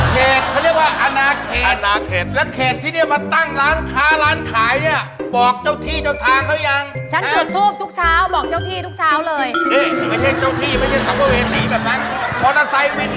เขตเขาเรียกว่าอนาเขตอนาเขต